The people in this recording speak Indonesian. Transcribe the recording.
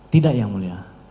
tidak ya mulia